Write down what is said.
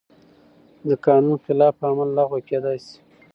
د قانون خلاف عمل لغوه کېدای شي.